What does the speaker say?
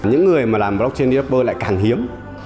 những người mà làm blockchain developer lại càng hiếm